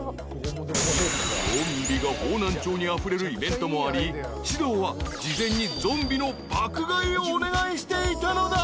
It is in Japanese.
［ゾンビが方南町にあふれるイベントもあり獅童は事前にゾンビの爆買いをお願いしていたのだ］